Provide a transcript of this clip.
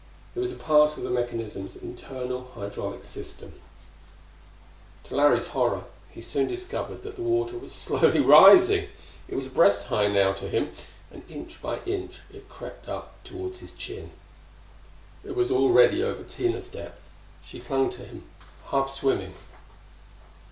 It was a part of the mechanism's internal, hydraulic system. To Larry's horror he soon discovered that the water was slowly rising! It was breast high to him now, and inch by inch it crept up toward his chin. It was already over Tina's depth: she clung to him, half swimming.